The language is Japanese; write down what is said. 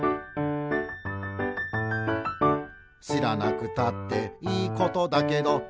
「しらなくたっていいことだけど」